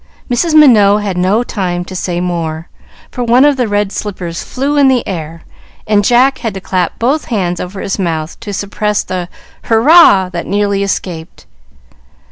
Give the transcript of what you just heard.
Mrs. Minot had no time to say more, for one of the red slippers flew up in the air, and Jack had to clap both hands over his mouth to suppress the "hurrah!" that nearly escaped.